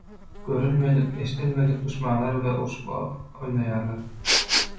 görülmedik, eşdilmedik duşmanlar bilen urşup oýnaýarlar.